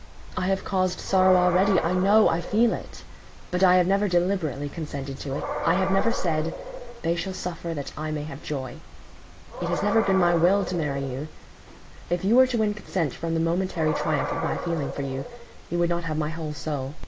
I have caused sorrow already—I know—I feel it; but I have never deliberately consented to it; I have never said, 'They shall suffer, that I may have joy.' It has never been my will to marry you; if you were to win consent from the momentary triumph of my feeling for you, you would not have my whole soul.